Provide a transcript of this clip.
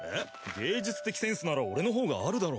芸術的センスなら俺のほうがあるだろ！？